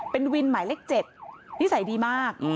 เป็นวินหมายเลข๗นิสัยดีมาก